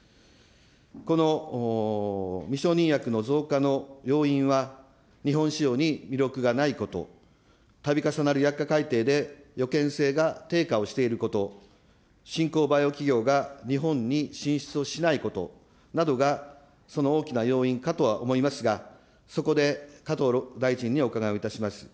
この未承認薬の増加の要因は、日本市場に魅力がないこと、たび重なる薬価改定で予見性が低下をしていること、しんこうバイオ企業が日本に進出をしないことなどがその大きな要因かとは思いますが、そこで加藤大臣にお伺いをいたします。